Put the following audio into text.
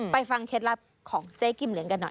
ฟังเคล็ดลับของเจ๊กิมเลี้ยกันหน่อย